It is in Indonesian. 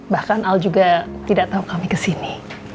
bahkan al juga tidak tahu kami kesini